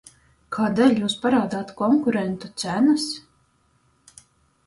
Kādēļ jūs parādāt konkurentu cenas?